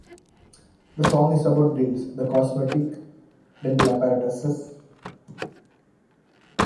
The song is about grills, the cosmetic dental apparatuses.